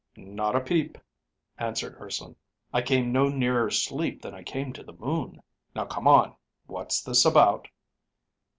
"Not a peep," answered Urson. "I came no nearer sleep than I came to the moon. Now come on, what's this about?"